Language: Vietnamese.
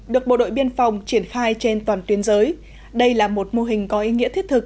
được bộ đội biên phòng triển khai trên toàn tuyến giới